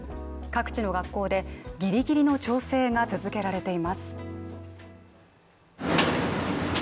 各地の学校で、ギリギリの調整が続けられています。